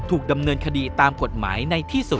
ถูกดำเนินคดีตามกฎหมายในที่สุด